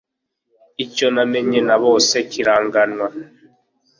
icyo namenye nta kosa kiranganwa